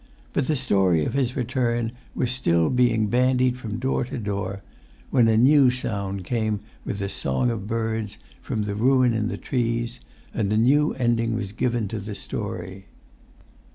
But the story of his return was still being bandied from door to door, when a new sound came with the song of birds from the ruin in the trees, and a new ending was given to the story.